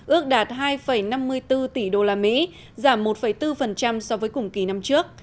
ước đạt hai năm mươi bốn tỷ đô la mỹ giảm một bốn so với cùng kỳ năm trước